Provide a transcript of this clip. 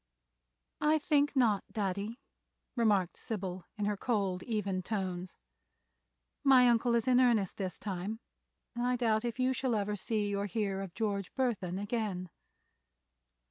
"I think not, Daddy," remarked Sybil, in her cold, even tones. "My uncle is in earnest this time and I doubt if you ever see or hear of George Burthon again."